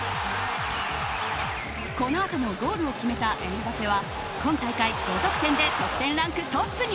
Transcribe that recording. このあともゴールを決めたエムバペは今大会５得点で得点ランクトップに！